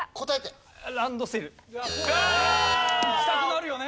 いきたくなるよね。